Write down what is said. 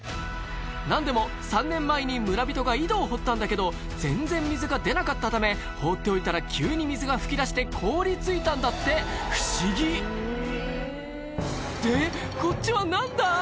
何でも３年前に村人が井戸を掘ったんだけど全然水が出なかったため放っておいたら急に水が噴き出して凍り付いたんだって不思議でこっちは何だ？